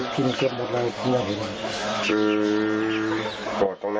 สองสอง